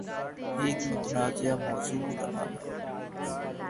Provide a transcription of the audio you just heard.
ایک متنازعہ موضوع رہا ہے